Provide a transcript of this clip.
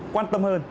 quan tâm hơn